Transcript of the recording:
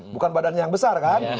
bukan badan yang besar kan